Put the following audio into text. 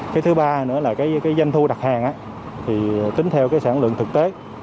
cái thứ ba nữa là cái danh thu đặt hàng á thì tính theo cái sản lượng thực tế